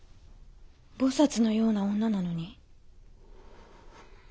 菩薩のような女なのに？